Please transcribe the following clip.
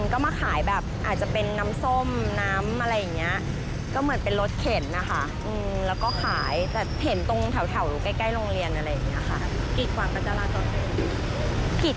ก็มาขายแบบอาจจะเป็นน้ำส้มน้ำอะไรอย่างนี้